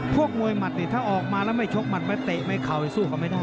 พวกมวยหมัดนี่ถ้าออกมาแล้วไม่ชกหมัดไม่เตะไม่เข่าไปสู้เขาไม่ได้